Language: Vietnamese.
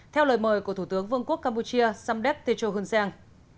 theo lời mời của thủ tướng vương quốc campuchia samdet techo hunsen